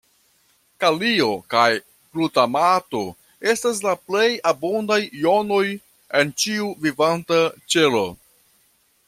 Kalio kaj glutamato estas la plej abundaj jonoj en ĉiu vivanta ĉelo.